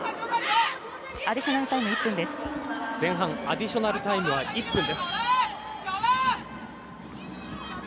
アディショナルタイムは１分。